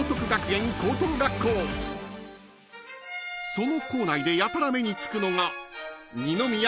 ［その校内でやたら目に付くのが］